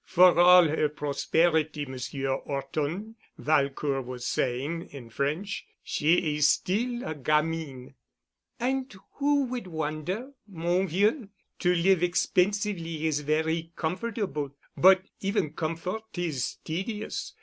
"For all her prosperity, Monsieur 'Orton," Valcourt was saying, in French, "she is still a gamine." "And who would wonder, mon vieux! To live expensively is very comfortable, but even comfort is tedious.